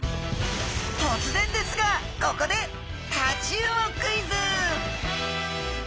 とつぜんですがここでタチウオクイズ！